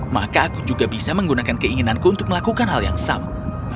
maka aku juga bisa menggunakan keinginanku untuk melakukan hal yang sama